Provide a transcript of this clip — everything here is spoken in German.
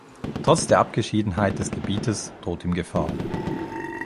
Trotz der Abgeschiedenheit des Gebietes droht ihm Gefahr.